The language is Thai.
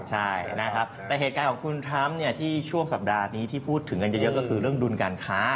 ใช่นะครับแต่เหตุการณ์ของคุณทรัมป์ที่ช่วงสัปดาห์นี้ที่พูดถึงกันเยอะก็คือเรื่องดุลการค้า